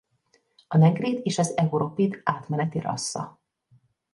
A negrid és az europid átmeneti rassza.